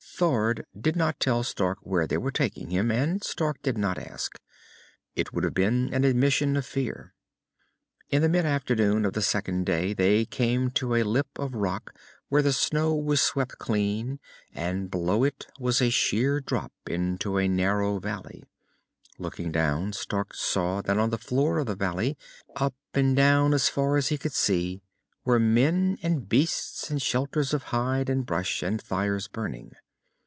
Thord did not tell Stark where they were taking him, and Stark did not ask. It would have been an admission of fear. In mid afternoon of the second day they came to a lip of rock where the snow was swept clean, and below it was a sheer drop into a narrow valley. Looking down, Stark saw that on the floor of the valley, up and down as far as he could see, were men and beasts and shelters of hide and brush, and fires burning.